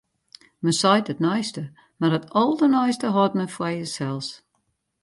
Men seit it neiste, mar it alderneiste hâldt men foar jinsels.